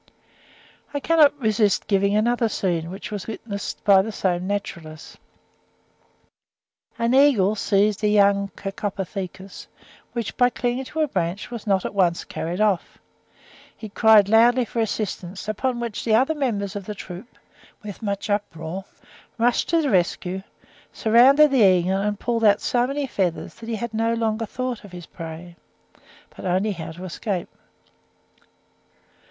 I cannot resist giving another scene which was witnessed by this same naturalist; an eagle seized a young Cercopithecus, which, by clinging to a branch, was not at once carried off; it cried loudly for assistance, upon which the other members of the troop, with much uproar, rushed to the rescue, surrounded the eagle, and pulled out so many feathers, that he no longer thought of his prey, but only how to escape.